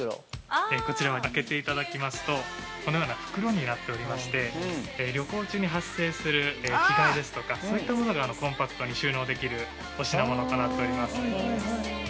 ◆こちら、開けていただきますとこのような袋になっておりまして旅行中に発生する着替えですとかそういったものがコンパクトに収納できるお品物となっております。